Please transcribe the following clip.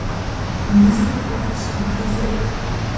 Mezım pxhexer şağehezır.